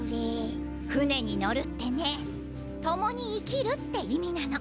「船に乗る」ってね「共に生きる」って意味なの。